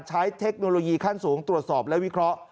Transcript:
เทคโนโลยีขั้นสูงตรวจสอบและวิเคราะห์